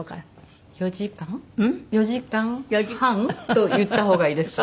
４時間半と言った方がいいですか？